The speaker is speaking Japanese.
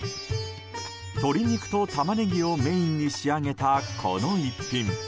鶏肉とタマネギをメインに仕上げた、この一品。